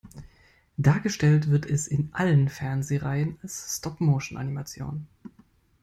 Dargestellt wird es in allen Fernsehreihen als Stop-Motion-Animation.